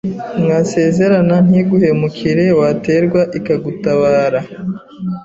mwasezerana ntiguhemukire, waterwa ikagutabara